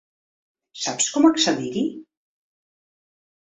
Saps com accedir-hi?